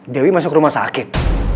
dewi masuk rumah sakit